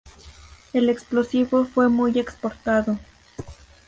El explosivo fue muy exportado.